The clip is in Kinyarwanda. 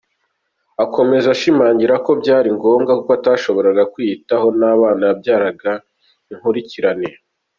Akomeza ashimangira ko cyari ngombwa kuko atashoboraga kwiyitaho n’abana yabyaraga inkurikirane.